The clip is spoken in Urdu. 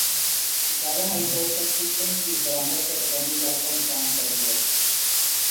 پشاور ہائی کورٹ کا چکن کی برآمد پر پابندی کا حکم کام کر گیا